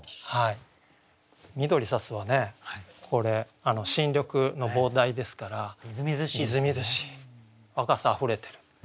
「緑さす」はねこれ新緑の傍題ですからみずみずしい若さあふれてる。